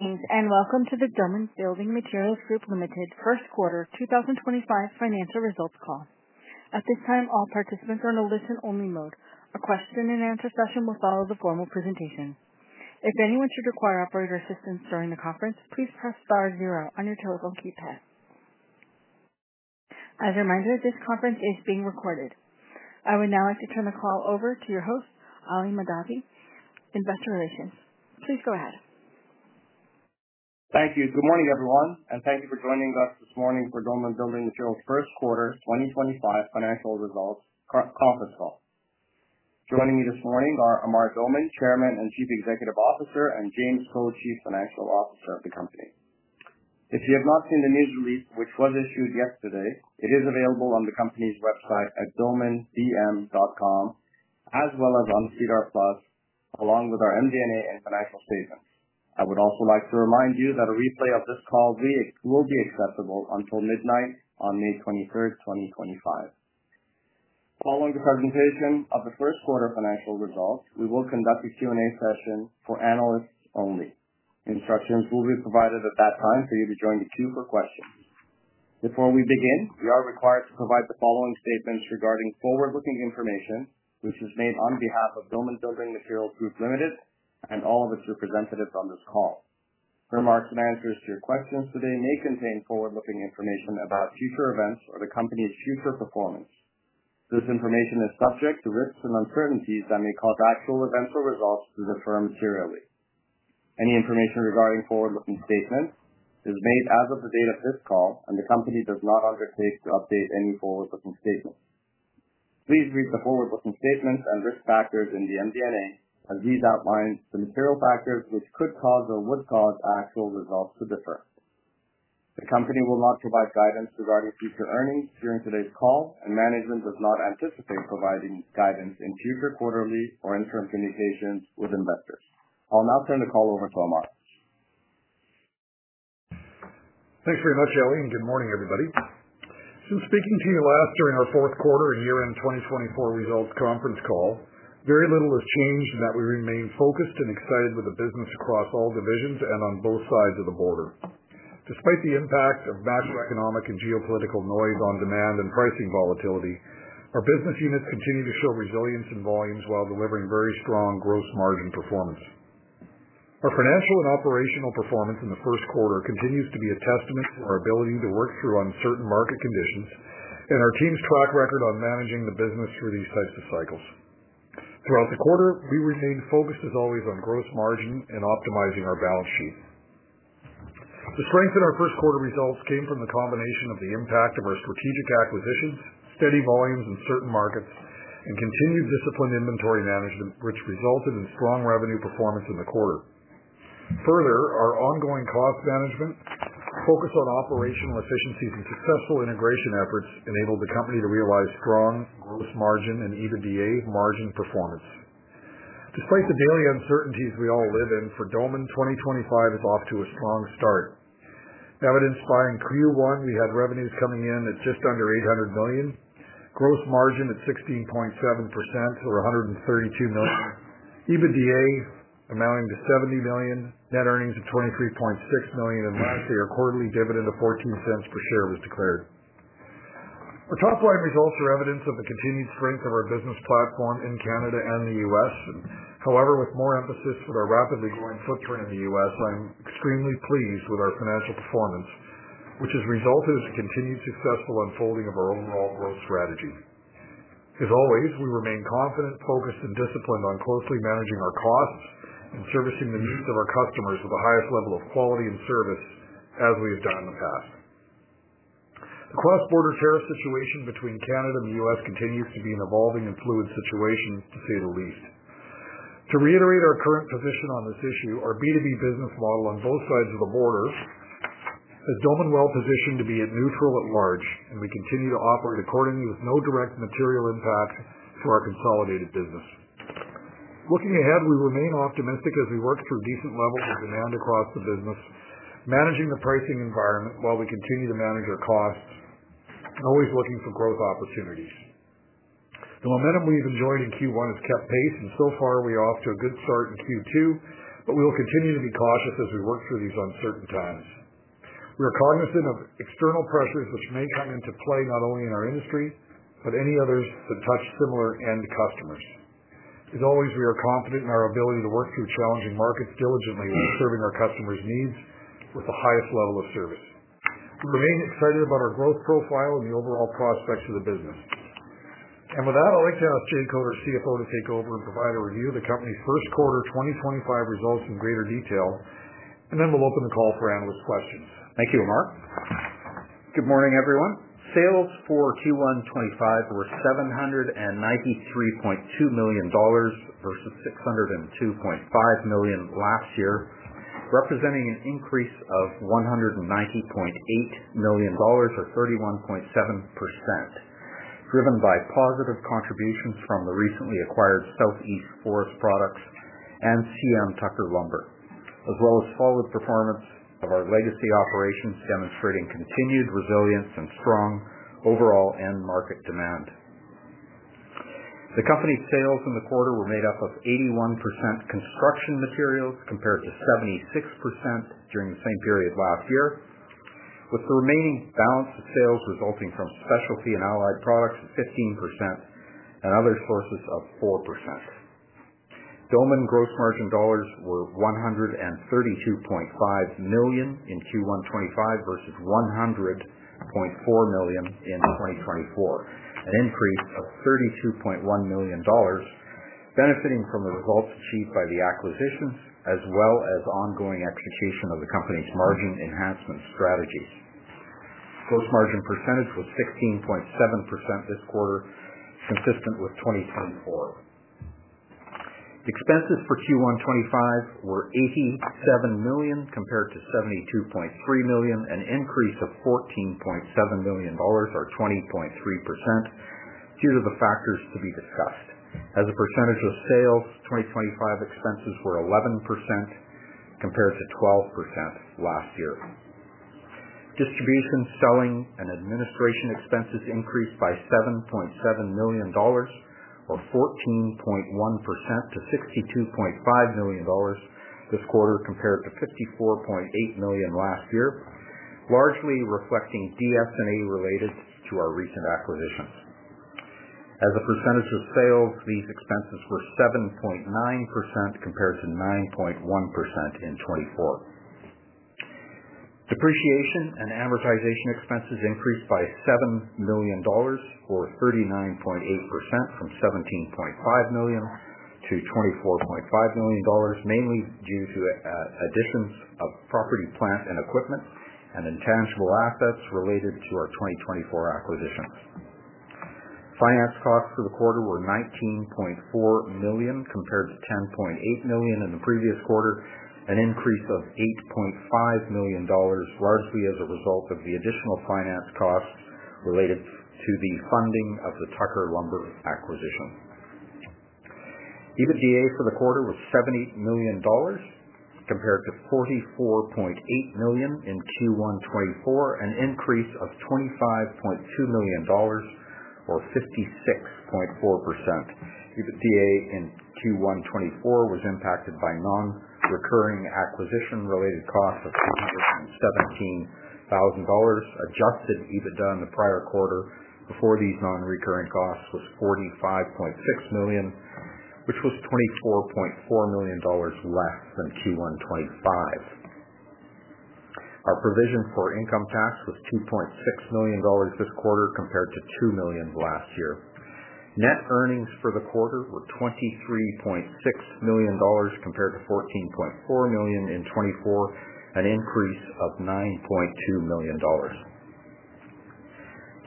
Thanks, and welcome to the Doman Building Materials Group Limited, first quarter 2025 financial results call. At this time, all participants are in a listen-only mode. A question-and-answer session will follow the formal presentation. If anyone should require operator assistance during the conference, please press star zero on your telephone keypad. As a reminder, this conference is being recorded. I would now like to turn the call over to your host, Ali Mahdavi, Investor Relations. Please go ahead. Thank you. Good morning, everyone, and thank you for joining us this morning for Doman Building Materials first quarter 2025 financial results conference call. Joining me this morning are Amar Doman, Chairman and Chief Executive Officer, and James Code, Chief Financial Officer of the company. If you have not seen the news release, which was issued yesterday, it is available on the company's website at domanbm.com, as well as on SEDAR+, along with our MD&A and financial statements. I would also like to remind you that a replay of this call will be accessible until midnight on May 23rd, 2025. Following the presentation of the first quarter financial results, we will conduct a Q&A session for analysts only. Instructions will be provided at that time for you to join the queue for questions. Before we begin, we are required to provide the following statements regarding forward-looking information, which is made on behalf of Doman Building Materials Group Limited and all of its representatives on this call. The remarks and answers to your questions today may contain forward-looking information about future events or the company's future performance. This information is subject to risks and uncertainties that may cause actual events or results to differ materially. Any information regarding forward-looking statements is made as of the date of this call, and the company does not undertake to update any forward-looking statements. Please read the forward-looking statements and risk factors in the MD&A, as these outline the material factors which could cause or would cause actual results to differ. The company will not provide guidance regarding future earnings during today's call, and management does not anticipate providing guidance in future quarterly or interim communications with investors. I'll now turn the call over to Amar. Thanks very much, Ali, and good morning, everybody. Since speaking to you last during our fourth quarter and year-end 2024 results conference call, very little has changed in that we remain focused and excited with the business across all divisions and on both sides of the border. Despite the impact of macroeconomic and geopolitical noise on demand and pricing volatility, our business units continue to show resilience in volumes while delivering very strong gross margin performance. Our financial and operational performance in the first quarter continues to be a testament to our ability to work through uncertain market conditions and our team's track record on managing the business through these types of cycles. Throughout the quarter, we remained focused, as always, on gross margin and optimizing our balance sheet. The strength in our first quarter results came from the combination of the impact of our strategic acquisitions, steady volumes in certain markets, and continued disciplined inventory management, which resulted in strong revenue performance in the quarter. Further, our ongoing cost management, focus on operational efficiencies, and successful integration efforts enabled the company to realize strong gross margin and EBITDA margin performance. Despite the daily uncertainties we all live in, for Doman, 2025 is off to a strong start. Evidenced by in Q1, we had revenues coming in at just under 800 million, gross margin at 16.7% or 132 million, EBITDA amounting to 70 million, net earnings of 23.6 million, and lastly, our quarterly dividend of 0.14 per share was declared. Our top-line results are evidence of the continued strength of our business platform in Canada and the U.S. However, with more emphasis with our rapidly growing footprint in the U.S., I'm extremely pleased with our financial performance, which has resulted in a continued successful unfolding of our overall growth strategy. As always, we remain confident, focused, and disciplined on closely managing our costs and servicing the needs of our customers with the highest level of quality and service as we have done in the past. The cross-border tariff situation between Canada and the U.S. continues to be an evolving and fluid situation, to say the least. To reiterate our current position on this issue, our B2B business model on both sides of the border has Doman well positioned to be at neutral at large, and we continue to operate accordingly with no direct material impact to our consolidated business. Looking ahead, we remain optimistic as we work through decent levels of demand across the business, managing the pricing environment while we continue to manage our costs and always looking for growth opportunities. The momentum we've enjoyed in Q1 has kept pace, and so far we are off to a good start in Q2. We will continue to be cautious as we work through these uncertain times. We are cognizant of external pressures which may come into play not only in our industry but any others that touch similar-end customers. As always, we are confident in our ability to work through challenging markets diligently while serving our customers' needs with the highest level of service. We remain excited about our growth profile and the overall prospects of the business. I'd like to ask Jay Code, our CFO, to take over and provide a review of the company's first quarter 2025 results in greater detail, and then we'll open the call for analyst questions. Thank you, Amar. Good morning, everyone. Sales for Q1 2025 were $793.2 million versus $602.5 million last year, representing an increase of $190.8 million, or 31.7%, driven by positive contributions from the recently acquired Southeast Forest Products and C.M. Tucker Lumber, as well as solid performance of our legacy operations demonstrating continued resilience and strong overall end-market demand. The company's sales in the quarter were made up of 81% construction materials compared to 76% during the same period last year, with the remaining balance of sales resulting from specialty and allied products at 15% and other sources of 4%. Doman gross margin dollars were $132.5 million in Q1 2025 versus $100.4 million in 2024, an increase of $32.1 million benefiting from the results achieved by the acquisitions as well as ongoing execution of the company's margin enhancement strategies. Gross margin percentage was 16.7% this quarter, consistent with 2024. Expenses for Q1 2025 were $87 million compared to $72.3 million, an increase of $14.7 million, or 20.3%, due to the factors to be discussed. As a percentage of sales, 2025 expenses were 11% compared to 12% last year. Distribution, selling, and administration expenses increased by $7.7 million, or 14.1%, to $62.5 million this quarter compared to $54.8 million last year, largely reflecting DS&A related to our recent acquisitions. As a percentage of sales, these expenses were 7.9% compared to 9.1% in 2024. Depreciation and amortization expenses increased by $7 million, or 39.8%, from $17.5 million to $24.5 million, mainly due to additions of property, plant, and equipment, and intangible assets related to our 2024 acquisitions. Finance costs for the quarter were 19.4 million compared to 10.8 million in the previous quarter, an increase of $8.5 million, largely as a result of the additional finance costs related to the funding of the Tucker Lumber acquisition. EBITDA for the quarter was $78 million compared to 44.8 million in Q1 2024, an increase of $25.2 million, or 56.4%. EBITDA in Q1 2024 was impacted by non-recurring acquisition-related costs of $217,000. Adjusted EBITDA in the prior quarter before these non-recurring costs was 45.6 million, which was $24.4 million less than Q1 2025. Our provision for income tax was $2.6 million this quarter compared to 2 million last year. Net earnings for the quarter were $23.6 million compared to 14.4 million in 2024, an increase of $9.2 million.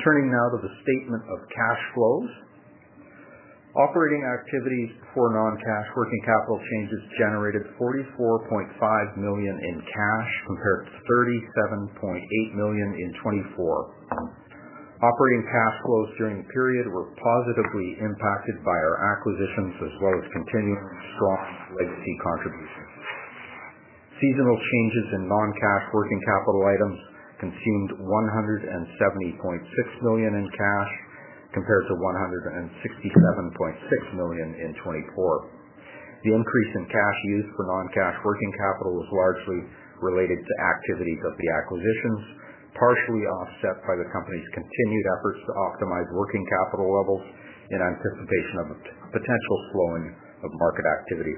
Turning now to the statement of cash flows, operating activities for non-cash working capital changes generated 44.5 million in cash compared to 37.8 million in 2024. Operating cash flows during the period were positively impacted by our acquisitions as well as continuing strong legacy contributions. Seasonal changes in non-cash working capital items consumed 170.6 million in cash compared to 167.6 million in 2024. The increase in cash used for non-cash working capital was largely related to activities of the acquisitions, partially offset by the company's continued efforts to optimize working capital levels in anticipation of a potential slowing of market activity.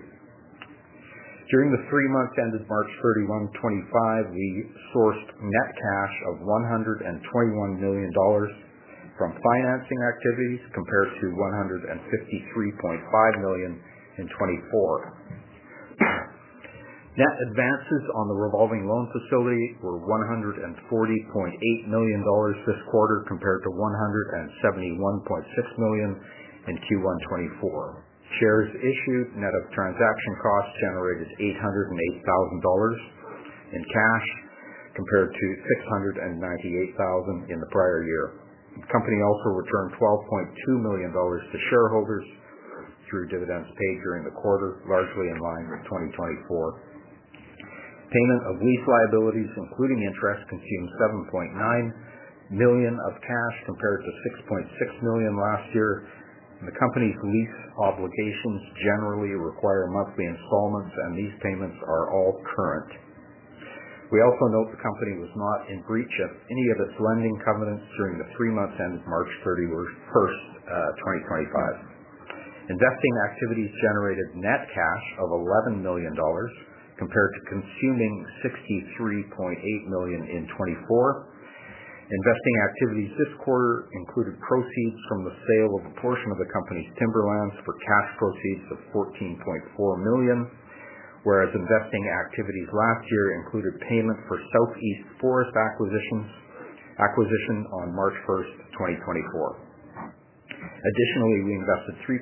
During the three months ended March 31, 2025, we sourced net cash of $121 million from financing activities compared to 153.5 million in 2024. Net advances on the revolving loan facility were $140.8 million this quarter compared to 171.6 million in Q1 2024. Shares issued net of transaction costs generated $808,000 in cash compared to 698,000 in the prior year. The company also returned$12.2 million to shareholders through dividends paid during the quarter, largely in line with 2024. Payment of lease liabilities, including interest, consumed 7.9 million of cash compared to 6.6 million last year. The company's lease obligations generally require monthly installments, and these payments are all current. We also note the company was not in breach of any of its lending covenants during the three months ended March 31st, 2025. Investing activities generated net cash of $11 million compared to consuming 63.8 million in 2024. Investing activities this quarter included proceeds from the sale of a portion of the company's timberlands for cash proceeds of 14.4 million, whereas investing activities last year included payment for Southeast Forests' acquisition on March 1st, 2024. Additionally, we invested $3.5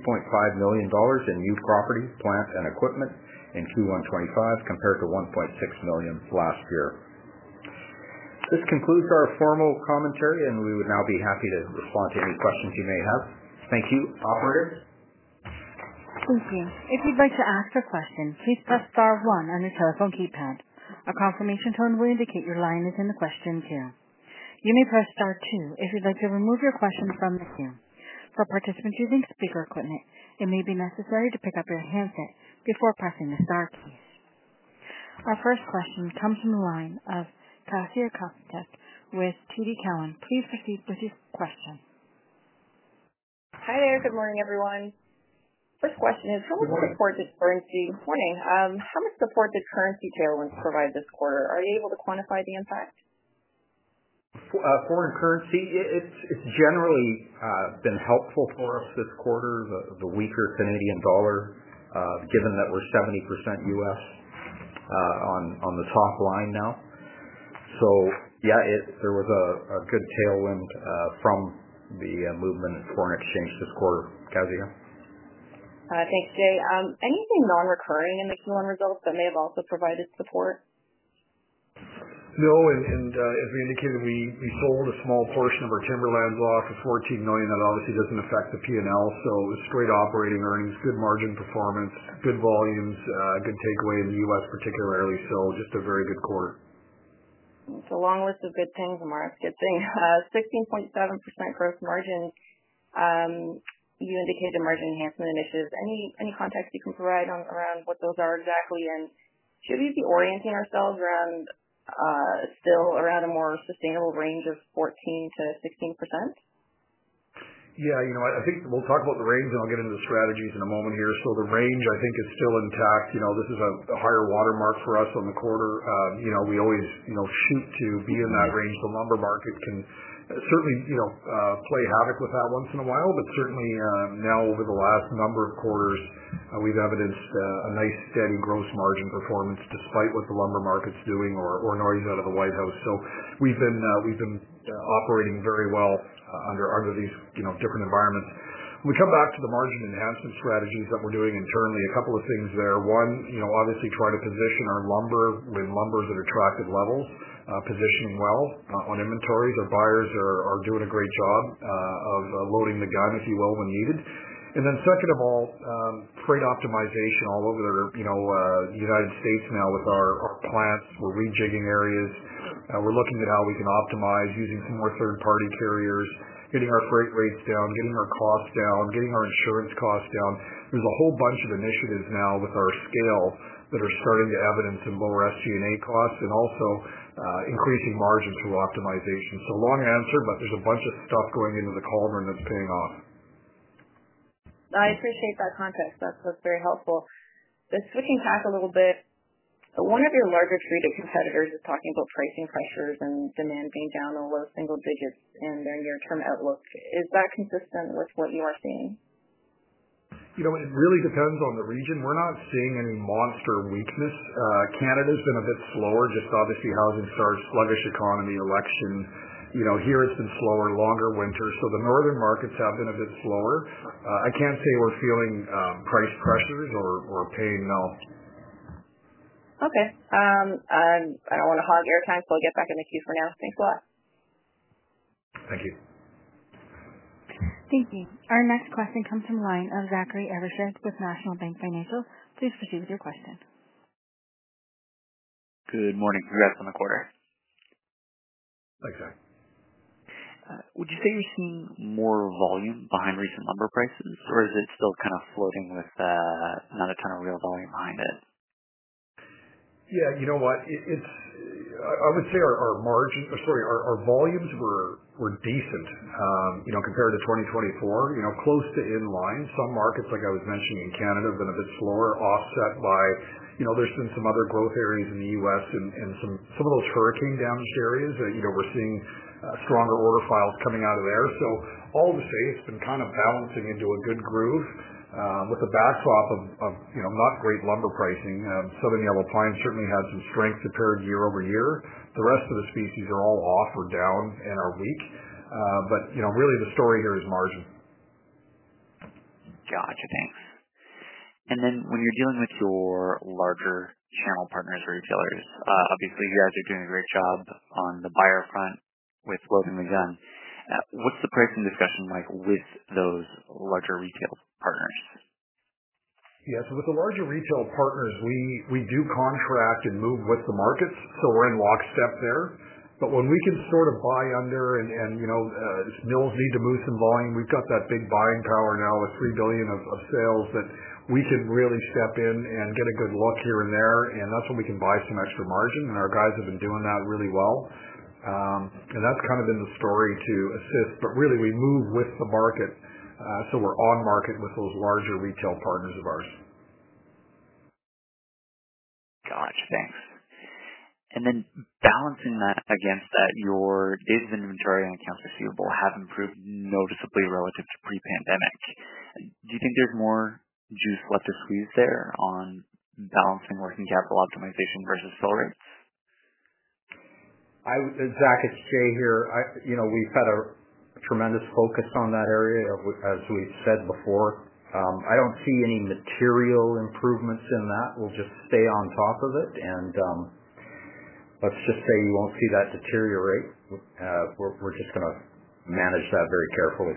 million in new property, plant, and equipment in Q1 2025 compared to 1.6 million last year. This concludes our formal commentary, and we would now be happy to respond to any questions you may have. Thank you, operators. Thank you. If you'd like to ask a question, please press star one on your telephone keypad. A confirmation tone will indicate your line is in the question queue. You may press star two if you'd like to remove your question from the queue. For participants using speaker equipment, it may be necessary to pick up your handset before pressing the star keys. Our first question comes from the line of Kasia Trzaski with TD Cowen. Please proceed with your question. Hi there. Good morning, everyone. First question is, how much support did currency—good morning—how much support did currency tailwinds provide this quarter? Are you able to quantify the impact? Foreign currency, it's generally been helpful for us this quarter. The weaker Canadian dollar, given that we're 70% U.S. on the top line now. Yeah, there was a good tailwind from the movement in foreign exchange this quarter. Kasia? Thanks, Jay. Anything non-recurring in the Q1 results that may have also provided support? No. As we indicated, we sold a small portion of our timberlands off for $14 million. That obviously does not affect the P&L, so it was straight operating earnings, good margin performance, good volumes, good takeaway in the U.S., particularly. Just a very good quarter. It's a long list of good things, Amar. Good thing. 16.7% gross margin, you indicated margin enhancement initiatives. Any context you can provide around what those are exactly? Should we be orienting ourselves still around a more sustainable range of 14%-16%? Yeah. I think we'll talk about the range, and I'll get into the strategies in a moment here. The range, I think, is still intact. This is a higher watermark for us on the quarter. We always shoot to be in that range. The lumber market can certainly play havoc with that once in a while, but certainly now, over the last number of quarters, we've evidenced a nice steady gross margin performance despite what the lumber market's doing or noise out of the White House. We've been operating very well under these different environments. When we come back to the margin enhancement strategies that we're doing internally, a couple of things there. One, obviously try to position our lumber with lumbers at attractive levels, positioning well on inventories. Our buyers are doing a great job of loading the gun, if you will, when needed. Second of all, freight optimization all over the United States now with our plants. We're rejigging areas. We're looking at how we can optimize using some more third-party carriers, getting our freight rates down, getting our costs down, getting our insurance costs down. There's a whole bunch of initiatives now with our scale that are starting to evidence some lower SG&A costs and also increasing margins through optimization. Long answer, but there's a bunch of stuff going into the cauldron that's paying off. I appreciate that context. That's very helpful. Switching tack a little bit, one of your larger traded competitors is talking about pricing pressures and demand being down to low single digits in their near-term outlook. Is that consistent with what you are seeing? It really depends on the region. We're not seeing any monster weakness. Canada's been a bit slower, just obviously housing starts, sluggish economy, election. Here, it's been slower, longer winter. The northern markets have been a bit slower. I can't say we're feeling price pressures or pain, no. Okay. I don't want to hog your time, so I'll get back in the queue for now. Thanks a lot. Thank you. Thank you. Our next question comes from the line of Zachary Evershed with National Bank Financial. Please proceed with your question. Good morning. Congrats on the quarter. Thanks, Zach. Would you say you're seeing more volume behind recent lumber prices, or is it still kind of floating with not a ton of real volume behind it? Yeah. You know what? I would say our margin—sorry, our volumes were decent compared to 2024, close to in line. Some markets, like I was mentioning in Canada, have been a bit slower, offset by there's been some other growth areas in the U.S. and some of those hurricane-damaged areas. We're seeing stronger order files coming out of there. All to say, it's been kind of balancing into a good groove with a backdrop of not great lumber pricing. Southern Yellow Pine certainly had some strength compared year-over-year. The rest of the species are all off or down and are weak. Really, the story here is margin. Gotcha. Thanks. When you're dealing with your larger channel partners or retailers, obviously you guys are doing a great job on the buyer front with loading the gun. What's the pricing discussion like with those larger retail partners? Yeah. With the larger retail partners, we do contract and move with the markets, so we're in lockstep there. When we can sort of buy under and mills need to move some volume, we've got that big buying power now with $3 billion of sales that we can really step in and get a good look here and there. That's when we can buy some extra margin. Our guys have been doing that really well. That's kind of been the story to assist. Really, we move with the market, so we're on market with those larger retail partners of ours. Gotcha. Thanks. Then balancing that against that, your days of inventory and accounts receivable have improved noticeably relative to pre-pandemic. Do you think there's more juice left to squeeze there on balancing working capital optimization versus sale rates? Zach, it's Jay here. We've had a tremendous focus on that area, as we've said before. I don't see any material improvements in that. We'll just stay on top of it. Let's just say you won't see that deteriorate. We're just going to manage that very carefully.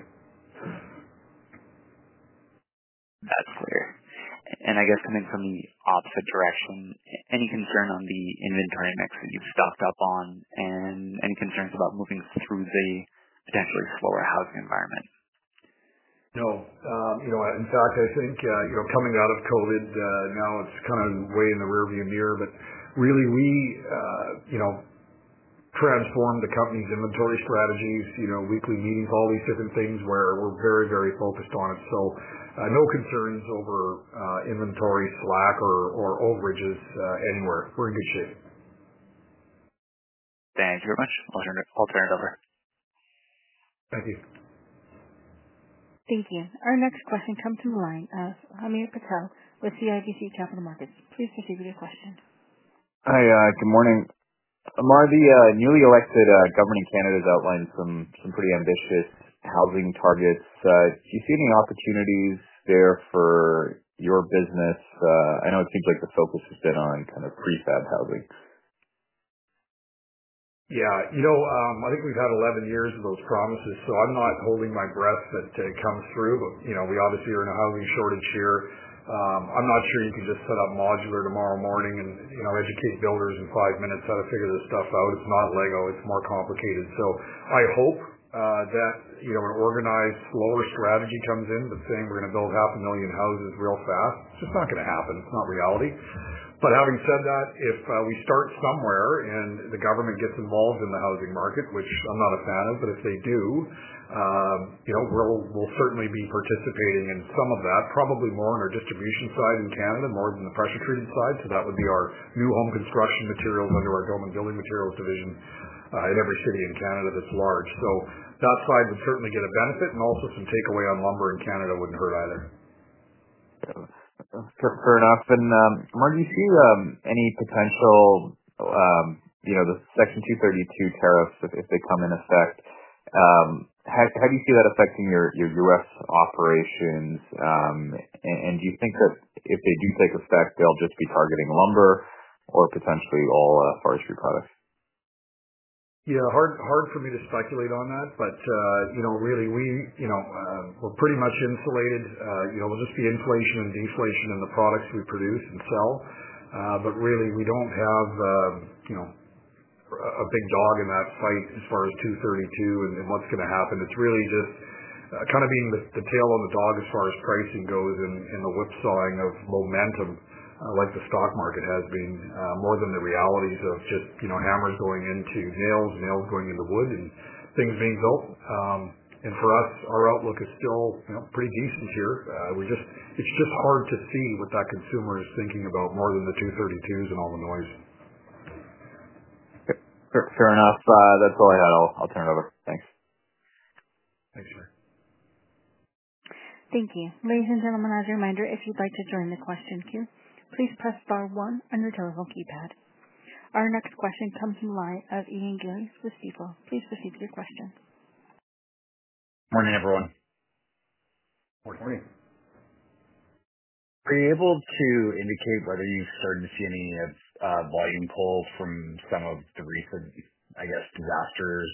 That's clear. I guess coming from the opposite direction, any concern on the inventory mix that you've stocked up on and any concerns about moving through the potentially slower housing environment? No. In fact, I think coming out of COVID, now it's kind of way in the rearview mirror. But really, we transformed the company's inventory strategies, weekly meetings, all these different things where we're very, very focused on it. So no concerns over inventory slack or overages anywhere. We're in good shape. Thank you very much. I'll turn it over. Thank you. Thank you. Our next question comes from the line of Amir Patel with CIBC Capital Markets. Please proceed with your question. Hi. Good morning. Amar, the newly elected governing candidate has outlined some pretty ambitious housing targets. Do you see any opportunities there for your business? I know it seems like the focus has been on kind of prefab housing. Yeah. I think we've had 11 years of those promises, so I'm not holding my breath that it comes through. We obviously are in a housing shortage here. I'm not sure you can just set up modular tomorrow morning and educate builders in five minutes how to figure this stuff out. It's not Lego. It's more complicated. I hope that an organized slower strategy comes in than saying we're going to build 500,000 houses real fast. It's just not going to happen. It's not reality. Having said that, if we start somewhere and the government gets involved in the housing market, which I'm not a fan of, if they do, we'll certainly be participating in some of that, probably more on our distribution side in Canada more than the pressure-treated side. That would be our new home construction materials under our Doman Building Materials division in every city in Canada that's large. That side would certainly get a benefit. Also, some takeaway on lumber in Canada would not hurt either. Fair enough. Amar, do you see any potential with the Section 232 tariffs, if they come in effect? How do you see that affecting your U.S. operations? Do you think that if they do take effect, they'll just be targeting lumber or potentially all forestry products? Yeah. Hard for me to speculate on that. Really, we're pretty much insulated. It'll just be inflation and deflation in the products we produce and sell. Really, we don't have a big dog in that fight as far as 232 and what's going to happen. It's really just kind of being the tail on the dog as far as pricing goes and the whipsawing of momentum like the stock market has been more than the realities of just hammers going into nails, nails going into wood, and things being built. For us, our outlook is still pretty decent here. It's just hard to see what that consumer is thinking about more than the 232s and all the noise. Fair enough. That's all I had. I'll turn it over. Thanks. Thanks, sir. Thank you. Ladies and gentlemen, as a reminder, if you'd like to join the question queue, please press star one on your telephone keypad. Our next question comes from the line of Ian Gillies with Stifel. Please proceed with your question. Morning, everyone. Morning. Are you able to indicate whether you've started to see any volume pull from some of the recent, I guess, disasters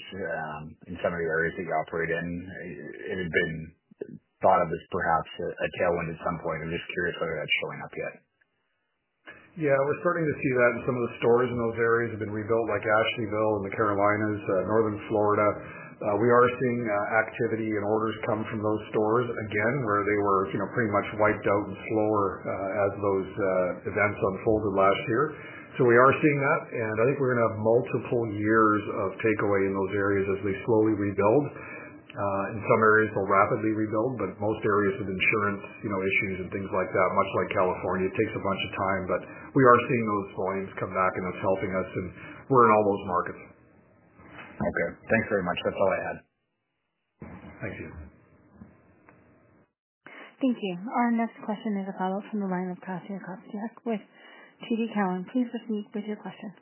in some of the areas that you operate in? It had been thought of as perhaps a tailwind at some point. I'm just curious whether that's showing up yet. Yeah. We're starting to see that in some of the stores in those areas that have been rebuilt, like Ashleyville in the Carolinas, northern Florida. We are seeing activity and orders come from those stores again, where they were pretty much wiped out and slower as those events unfolded last year. We are seeing that. I think we're going to have multiple years of takeaway in those areas as they slowly rebuild. In some areas, they'll rapidly rebuild, but most areas with insurance issues and things like that, much like California, it takes a bunch of time. We are seeing those volumes come back, and that's helping us. We're in all those markets. Okay. Thanks very much. That's all I had. Thank you. Thank you. Our next question is a follow-up from the line of Kasia Trzaski with TD Cowen. Please proceed with your question.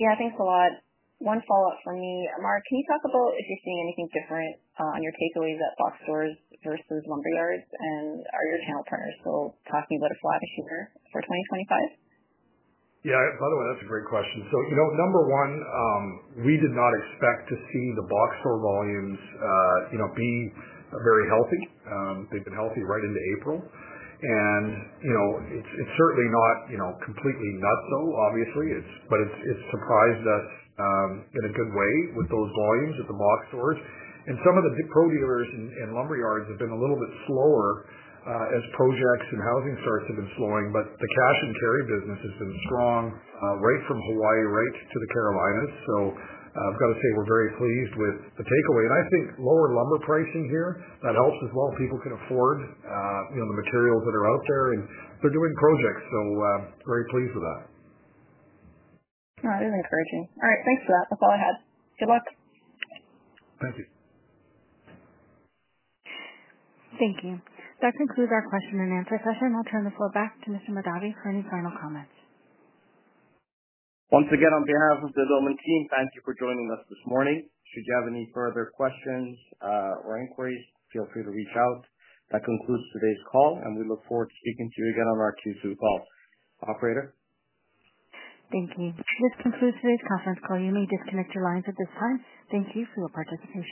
Yeah. Thanks a lot. One follow-up from me. Amar, can you talk about if you're seeing anything different on your takeaways at box stores versus lumber yards, and are your channel partners still talking about a flagship year for 2025? Yeah. By the way, that's a great question. Number one, we did not expect to see the box store volumes be very healthy. They've been healthy right into April. It's certainly not completely nutso, obviously, but it surprised us in a good way with those volumes at the box stores. Some of the pro dealers and lumber yards have been a little bit slower as projects and housing starts have been slowing. The cash and carry business has been strong right from Hawaii right to the Carolinas. I've got to say we're very pleased with the takeaway. I think lower lumber pricing here, that helps as well. People can afford the materials that are out there, and they're doing projects. Very pleased with that. That is encouraging. All right. Thanks for that. That's all I had. Good luck. Thank you. Thank you. That concludes our question and answer session. I'll turn the floor back to Mr. Mahdavi for any final comments. Once again, on behalf of the Doman team, thank you for joining us this morning. Should you have any further questions or inquiries, feel free to reach out. That concludes today's call, and we look forward to speaking to you again on our Q2 call. Operator? Thank you. This concludes today's conference call. You may disconnect your lines at this time. Thank you for your participation.